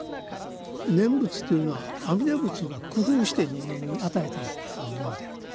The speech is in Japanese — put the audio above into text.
念仏というのは阿弥陀仏が工夫して人間に与えたものであると。